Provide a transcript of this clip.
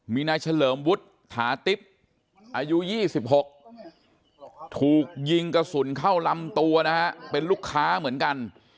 มีนายเฉลิมวุฒิถาติ๊บอายุ๒๖ถูกยิงกระสุนเข้าลำตัวนะฮะเป็นลูกค้าเหมือนกัน